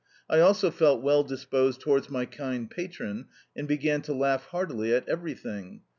I also felt well disposed towards my kind patron, and began to laugh heartily at everything.